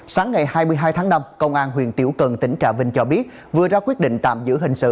sáng ngày hai mươi hai tháng năm công an huyện tiểu cần tỉnh trà vinh cho biết vừa ra quyết định tạm giữ hình sự